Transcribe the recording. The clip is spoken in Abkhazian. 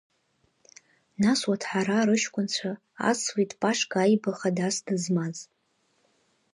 Нас Уаҭҳараа рыҷкәынцәа ацлеит Пашка Аиба хадас дызмаз.